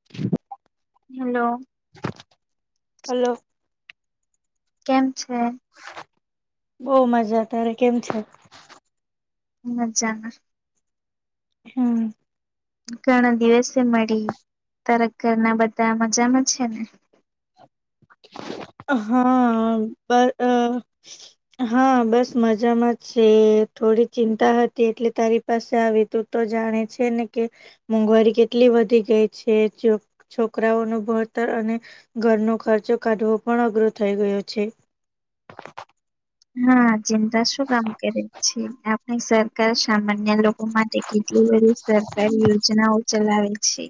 [unintelligible] Hello. Hello. કેમ છે. બહું મજા તારે કેમ છે. મજામાં. હમ. ઘણા દિવસે મળી તારા ઘરના બધા મજામાં છે ને. હા પર અ હા, બસ મજામાં છે, થોડી ચિંતા હતી એટલે તારી પાસે આવી તું તો જાણે છે ને કે મોંઘવારી કેટલી વધી ગઈ છે છોકરાઓ નું ભણતર અને ઘરનો ખર્ચો કાઢવો પણ અઘરો થઈ ગયો છે હા ચિંતા શું કામ કરે છે આપની સરકાર સામાન્ય લો કો માટે કેટલી બધી સરકારી યોજનાઓ ચલાવે છે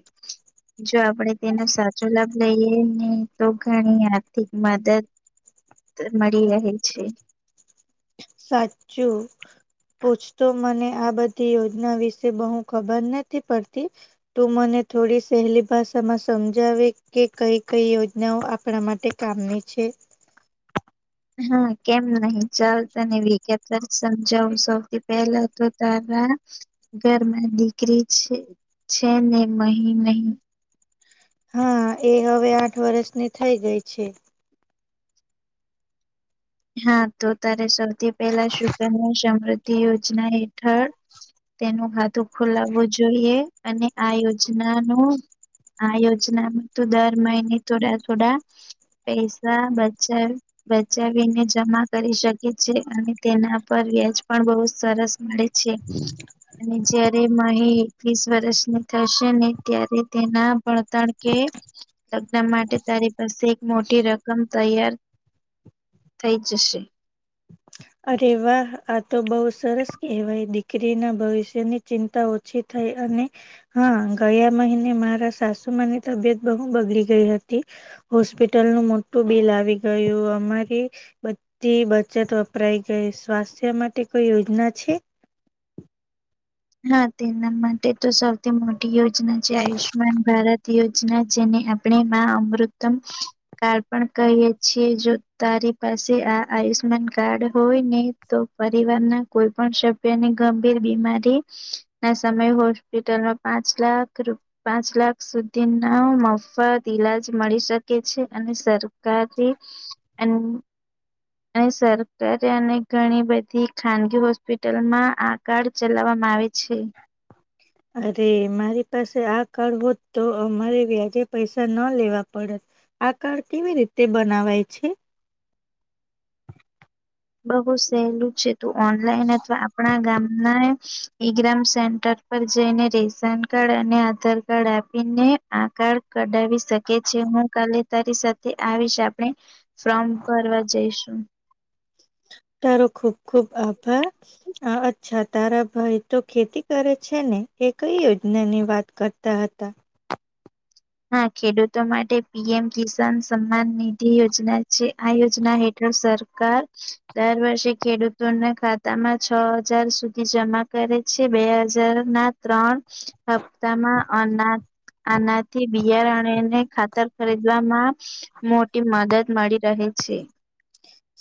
જો આપણેે તેનો સાચો લાભ લઈએ ને તો ઘણી આર્થિક મદદ મળી રહે છે સાચું પૂછતો મને આ બધી યોજના વિશે બહુ ખબર નથી પડતી તું મને થોડી સહેલી ભાષામાં સમજાવે કે કઈ કઈ યોજનાઓ આપણા માટે કામની છે હા કેમ નહી ચાલ તને વિગતમા સમજાવું સૌથી પહેલો તો તારા ઘરમાં દીકરી છે છે ને મહી નહી હા એ હવે આઠ વર્ષની થઈ ગઈ છે હા તો સૌથી પહેલા સુુકન્યા સમૃદ્ધિ યોજના હેઠળ તેનું ખાતું ખોલાવવું જોઈએ અને આ યોજના નું આ યોજનામાં તો દર મહિને થોડા થોડા પૈસા બચાવી બચાવી જેને જમા કરી શકે છે અને તેના પર વ્યાજ પણ બહુ સરસ મળે છે [inaudible] અને જયારે માહી એકવીસ વર્ષની થશે ને ત્યારે તેના ભણતણ કે લગ્ન માટે તારી પાસે મોટી રકમ તૈયાર થઈ જશે અરે વાહ આ તો બહુ સરસ કહેવાય દીકરી ના ભવિષ્યની ચિંતા ઓછી થઈ અને હા ગયા મહિને મારા સાસુમાની તબિયત બહુ બગડી ગઈ હતી હોસ્પિટલ નું મોટું બિલ આવી ગયું અમારી બધી બચતો વપરાઈ ગઈ સ્વાસ્થ્ય માટે કોઈ યોજના છે હા તેના માટે તો સૌથી મોટી યોજના છે આયુષ્યમાન ભારત યોજના જેને આપણે માં અમૃતમ કાર્ડ પણ કહીએ છીએ જો તારી પાસે આ આયુષ્માન કાર્ડ હોય ને તો પરિવાર ના કોઈ પણ સભ્યની ગંભીર બીમારી ના સમયે હોસ્પિટલમાં પાંચ લાખ રૂ પાંચ લાખ સુધી ના મફત ઈલાજ મળી શકે છે અને સરકારી અને અહી સરકારી અને ઘણી બધી ખાનગી હોસ્પિટલમાં આ કાર્ડ ચલાવવા મા આવે છે. અરે મારી પાસે આ કાર્ડ હોત તો અમારે વ્યાજે પૈસા ન લેવા પડોત આ કાર્ડ કેવી રીતે બનાવાય છે. બહુ સહેલું છે તું ઓનલાઈન અથવા આપણા ગામનાં ઈગ્રામ સેન્ટર પર જઈને રેશન કાર્ડ અને આધાર કાર્ડ આપીને આ કાર્ડ કઢાવી શકે છે હું કાલે તારી સાથે આવીશ આ નઈ આપણે ફોમ ભરવા જઈશું તારો ખૂબ ખૂબ આભાર હ અચ્છા તારા ભાઈ તો ખેતી કરે છે ને એ કઈ યોજનાની વાત કરતા હતા. હા ખેડૂતો મોટે પીએમ કિસાન સંઘના નિધિ યોજના છે આ યોજના હેઠળ સર સરકાર દર વર્ષે ખેડૂતોના ખાતામાં છ હજાર સુધી જમા કરે છે બે હજાર ના ત્રણ હપ્તામાં અના આના થી બિયારણ અને ખાતર ખરીદવામાં મોટી મદદ મળી રહે છે.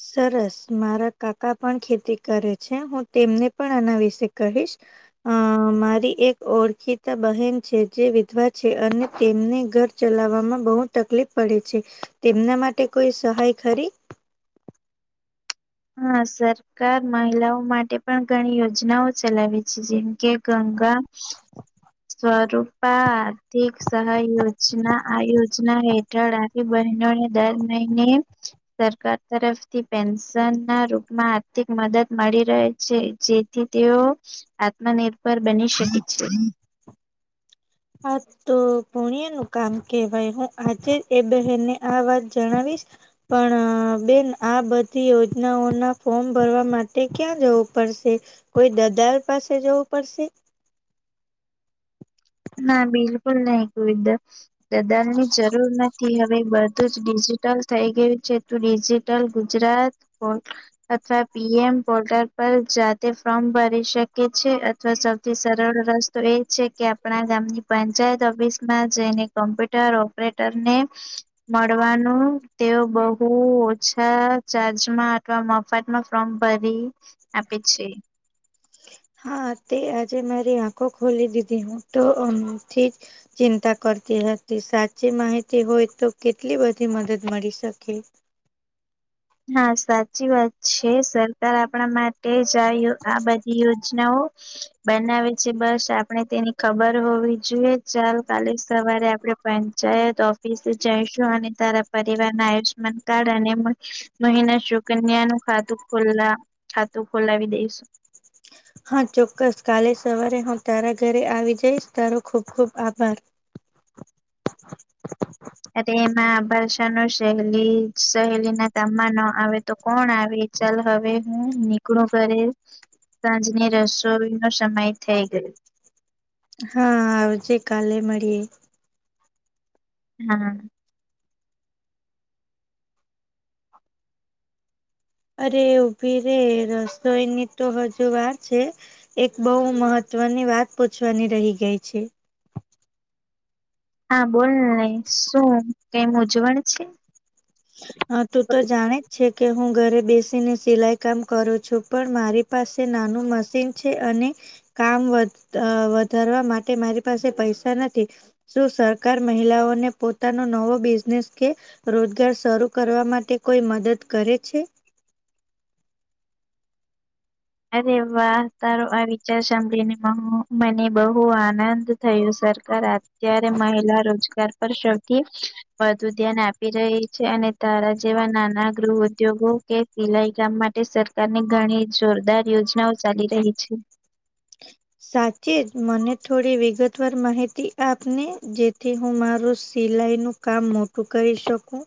સરસ મારા કાકા પણ ખેતી કરે છે હું તેમને પણ આના વિશે કહીશ. અ મારી એક ઓળખીતા બહેન છે જે વિધવા છે અને તેમને ઘર ચલાવવામાં બહુ તકલીફ પડે છે તેમના માટે કોઈ સહાય ખરી હા સર સરકાર મહિલાઓ માટે પણ ઘણી યોજનાઓ ચલાવે છે જેમકે ગંગા સ્વરૂપા આર્થિક સહાય યોજના આ યોજના હેઠળ આ બહેનોને દર મહિને સરકાર તરફથી પેન્શન ના રૂપમાં આર્થિક મદદ મળી રહે છે જે થી તેઓ આત્મનિર્ભર બની શકે છે. હા. તો પૂણ્ય નું કામ કેહેવાય હું આજે જ એ બહેનને આ વાત જણાવીશ. પણ બેન આ બધી યોજનાઓના ફોર્મ ભરવા માટે ક્યાં જવું પડશે. કોઈ દલાર પાસે જવું પડશે ના બિલકુલ નહી [unintelligible] દલાર ની જરૂર નથી હવે બધું જ ડિજિટલ થઈ ગયું છે. તો ડિજિટલ ગુજરાત પોર્ટલ અથવા પીએમ પોર્ટલ પર જાતે ફોર્મ ભરી શકે છે અથવા સૌથી સરળ રસ તો એ છે કે આપ ણા ગામની પંચાયત ઓફિસ માં જઈને કોમ્પ્યુટર ઓપરેટર ને મળવાનું તેઓ બહુ ઓછા ચાર્જમાં અથવા મ મફ્ત માં ફોર્મ ભરી આપે છે. હા તે આજે મારી આંખો ખોલી દીધી હું તો અમથી જ ચિંતા કરતી હતી સાચી માહિતી હોય તો કેટલી બધી મદદ મળી શકે. હા સાચી વાત છે સરકાર આપણા માટે જ આવી આ બધી યોજનાઓ બનાવે છે બસ આપણે તેની ખબર હોવી જોઈએ ચાલ કાલે સવારે આપણે પંચાયત ઓફિસે જઈશું અને તારા પરિવારના આયુષ્યમાન કાર્ડ અને મહિના શું કન્યા નું ખાતું ખોલા ખાતું ખોલાવી દઈશું. હા ચોક્કસ કાલે સવારે હું તારા ઘરે આવી જઈશ તારો ખુબ ખુબ આભાર. [inaudible] અરે એમાં ભાષા ન સહેલી [unintelligible] આવે તો કોણ આવે ચાલો હવે હું નીકળું ઘરે. સાંજની રસોઈ નો સમય થઈ ગયો. હા આવજે કાલે મળીએે. હા. અરે ઊભી રે રસોઈ ની તો હજુ વાર છે. એક બહુ મહત્વની વાત પૂછવાની રહી ગઈ છે. હા બોલ ને શું કઈ મુંજવણ છે. હા. તું તો જાણે જ છે કે હું ઘરે બેસીને સિલાઈ કામ કરું છું. પણ મારી પાસે નાનું મશીન છે અને કામ વધારવા માટે મારી પાસે પૈસા નથી. શું સરકાર મહિલાઓને પોતાનો નવો બિઝનેસ કે રોજગાર શરૂ કરવા માટે કોઈ મદદ કરે છે? અરે વાહ તારો આ વિચાર સાંભળીને મને બહુ આનંદ થયું સરકાર અત્યારે મહિલા રોજગાર પર સૌથી વધુ ધ્યાન આપી રહી છે અને તારા જેવા નાના ગૃહ ઉદ્યોગો કે સિલાઈ કામ માટે સરકાર ની ઘણી જોરદાર યોજનાઓ ચાલી રહી છે. સાચે જ મને થોડી વિગતવાર માહિતી આપને જેથી હું મારુ સિલાઈનું કામ મોટું કરી શકું.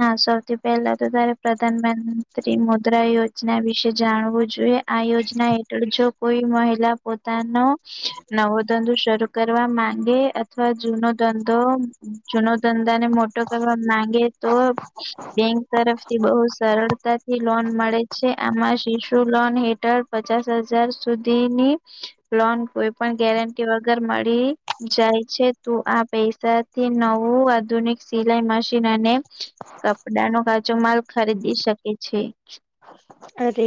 હા સૌથી પહેલા તો તારે પ્રધાનમંત્રી મુદ્રા યોજના વિશે જોઈએ. આ યોજના હેઠળ જો કોઈ મહિલા પોતાનો નવો ધંધો શરૂ કરવા માંગે અથવા જૂનો ધંધો જૂનો ધંધા ને મોટો કરવા માંગે તો બેંક તરફથી બહુ સરળતાથી લોન મળે છે આમાં શિશુ લોન હેઠળ પચાસ હજાર સુધીની લોન કોઈ પણ ગેરંટી વગર મળી જાય છે. જાય છે. તું આ પૈસાથી નવું આધુનિક સિલાઈ મશીન અને કપડા નો કાચો માલ ખરીદી શકે છે. અરે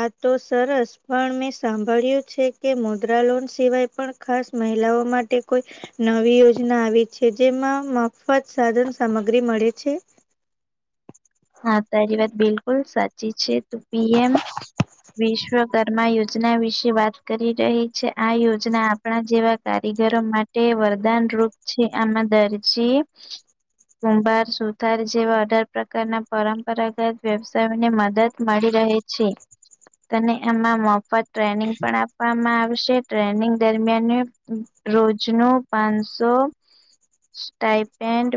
આ તો સરસ પણ મેં સાંભળ્યું છે કે મુદ્રા લોન સિવાય પણ ખાસ મહિલાઓ માટે કોઈ નવી યોજના આવી છે જેમાં મફત સાધન સામગ્રી મળે છે. હા તારી વાત બિલકુલ સાચી છે તું પી. એમ વિશ્વકર્મા યોજના વિશે વાત કરી રહી છે. આ યોજના આપણા જેવા કારીગરો માટે તે વરદાન રૂપ છે. આમાં દરજી કુંભાર, સુથાર જેવા અઢાર પ્રકારના પરંપરાગત વ્યવસાયોને મદદ મળી રહે છે. તને એમાં મફત ટ્રેનિંગ પણ આપવામાં આવશે. ટ્રેનિંગ દરમિયાન રોજનું પાંનસો ટાઈપેન્ટ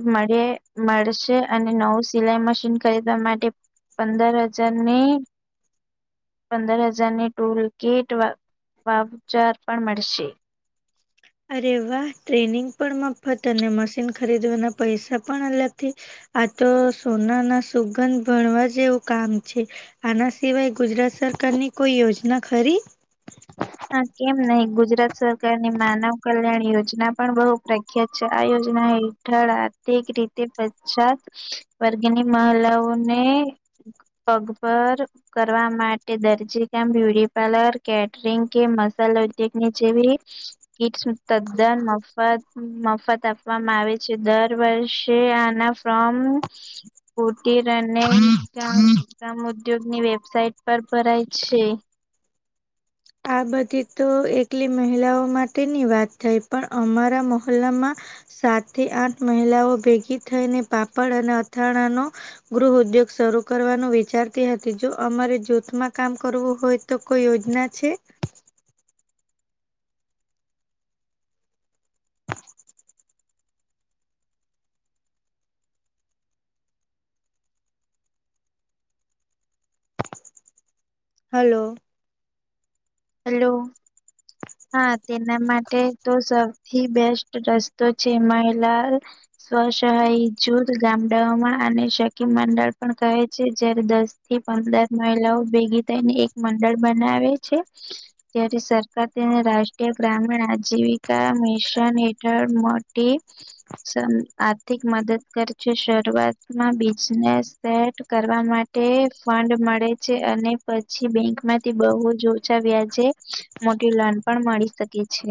મળશે અને નવું સિલાઈ મશીન ખરીદવા માટે પંદર હજારની પંદર હજારની ટૂલ કીટ વાઉચર પણ મળશે. અરે વાહ ટ્રેનિંગ પણ મફત અને મશીન ખરીદવાના પૈસા પણ અલગથી આ તો સોનાના સુગંધ ભણવા જેવું કામ છે. આના સિવાય ગુજરાત સરકારની કોઈ યોજના ખરી? હા. કેમ નહી ગુજરાત સરકારની માનવ કલ્યાણ યોજના પણ બહુ પ્રખ્યાત છે. આ યોજના હેઠળ આર્થિક રીતે પછાત વર્ગની મહલાઓને પગભર કરવા માટે દરજીકામ, બ્યુટીપાર્લર, કેટરિંગ કે મસાલા ઉદ્યોગની જેવી કીટસ તદ્દન મફત મફત આપવામાં આવે છે. દર વર્ષે આના ફોર્મ કુટિર અને ગ્રામ ઉદ્યોગની વેબસાઇટ પર ભરાય છે. આ બધી તો એકલી મહિલાઓ માટેની વાત થઈ પણ અમારા મોંહલ્લામાં સાત થી આઠ મહિલાઓ ભેગી થઈને પાપડ અને અથાણાનો ગૃહ ઉદ્યોગ શરૂ કરવાનું વિચારતી હતી જો અમારે જૂથમાં કામ કરવું હોય તો કોઈ યોજના છે? હલો? હલો? હા તેના માટે તો સૌથી બેસ્ટ રસ્તો છે મહિલા સ્વસહાય જૂથ ગામડાઓમાં આને સખી મંડળ પણ કહે છે જ્યારે દસ થી પંદર મહિલાઓ ભેગી થઈને એક મંડળ બનાવે છે ત્યારે સરકાર તેને રાષ્ટ્રીય ગ્રામીણ આજીવિકા મિશન હેઠળ મોટી આર્થિક મદદ કરે છે શરૂઆતમાં બિઝનેસ સેટ કરવા માટે ફંડ મળે છે અને પછી બેંકમાંથી બહુ જ ઓછા વ્યાજે [unintelligible] મોટી લોન પણ મળી શકે છે.